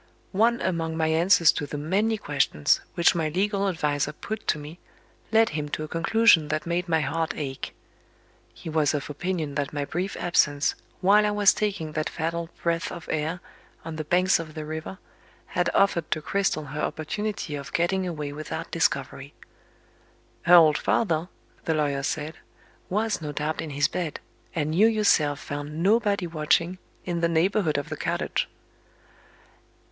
One among my answers to the many questions which my legal adviser put to me led him to a conclusion that made my heart ache. He was of opinion that my brief absence, while I was taking that fatal "breath of air" on the banks of the river, had offered to Cristel her opportunity of getting away without discovery. "Her old father," the lawyer said, "was no doubt in his bed, and you yourself found nobody watching, in the neighborhood of the cottage."